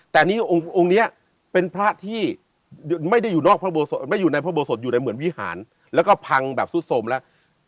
แต่องค์นี้เป็นพระที่ไม่ได้อยู่ในพระโบสถอยู่ในเหมือนวิหารแล้วก็พังแบบซุดสมแล้ว